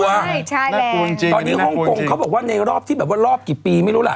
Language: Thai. ใช่ใช่แล้วตอนนี้ฮ่องกงเขาบอกว่าในรอบที่แบบว่ารอบกี่ปีไม่รู้ล่ะ